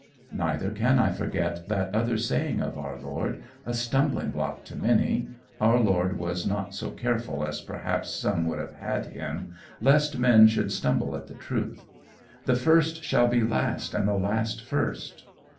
Neither can I forget that other saying of our Lord, a stumbling block to many our Lord was not so careful as perhaps some would have had him, lest men should stumble at the truth The first shall be last and the last first.